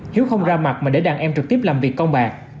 hiếu không ra mặt mà để đàn em trực tiếp làm việc con bạc